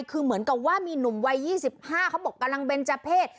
คือเหมือนกับว่ามีหนุ่มวัย๒๕เขาบอกกำลังเบนเจอร์เพศ